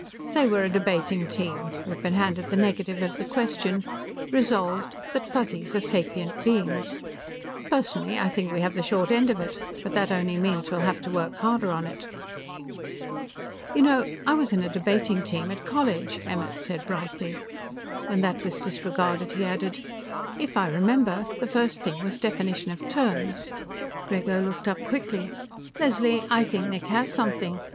Say we're a debating team; we've been handed the negative of the question. Resolved: that Fuzzies are Sapient Beings. Personally, I think we have the short end of it, but that only means we'll have to work harder on it." "You know, I was on a debating team at college," Emmert said brightly. When that was disregarded, he added: "If I remember, the first thing was definition of terms." Grego looked up quickly. "Leslie, I think Nick has something.